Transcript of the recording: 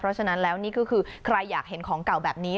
เพราะฉะนั้นแล้วนี่ก็คือใครอยากเห็นของเก่าแบบนี้